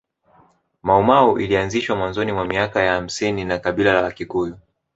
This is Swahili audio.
Maumau ilianzishwa mwanzoni mwa miaka ya hamsini na kabila la wakikuyu